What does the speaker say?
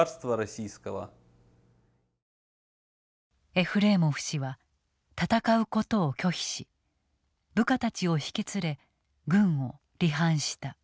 エフレーモフ氏は戦うことを拒否し部下たちを引き連れ軍を離反した。